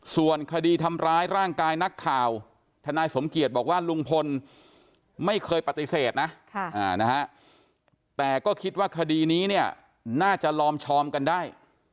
ส่วนคดีทำร้ายร่างกายนักข่าวทนายสมเกียจบอกว่าลุงพลไม่เคยปฏิเสธนะแต่ก็คิดว่าคดีนี้เนี่ยน่าจะลอมชอมกันได้